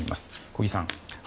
小木さん。